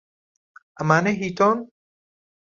ئەمانە هیی تۆن؟